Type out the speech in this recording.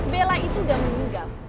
bella itu udah meninggal